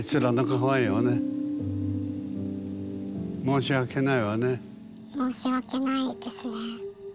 申し訳ないわね。